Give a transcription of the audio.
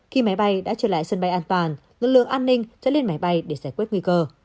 khi máy bay đã trở lại sân bay an toàn lực lượng an ninh sẽ lên máy bay để giải quyết nguy cơ